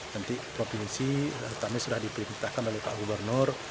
nanti provinsi kami sudah diperintahkan oleh pak gubernur